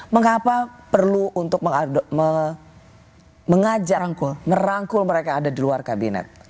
mengapa perlu untuk mengajak merangkul mereka ada di luar kabinet